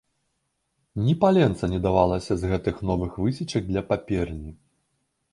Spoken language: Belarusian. Ні паленца не давалася з гэтых новых высечак для паперні.